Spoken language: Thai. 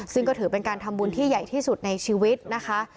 ซึ่งก็ถือเป็นการทำบุญที่ใหญ่ที่สุดในชีวิตนะคะ